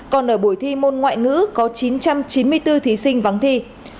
còn ở buổi thi môn ngoại ngữ có chín trăm chín mươi bốn thí sinh vắng thi